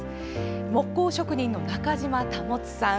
木工職人の中島保さん。